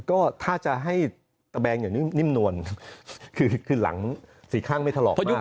ก็ถ้าจะให้ตะแบงอย่างนิ่มนวลคือหลังสี่ข้างไม่ถลอก